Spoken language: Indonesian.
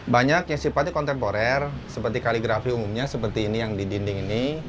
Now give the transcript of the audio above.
banyak yang sifatnya kontemporer seperti kaligrafi umumnya seperti ini yang di dinding ini